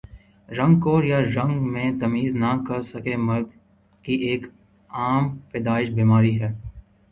رنگ کور یا رنگ میں تمیز نہ کر سکہ مرد کی ایک عام پیدائش بیماری ہے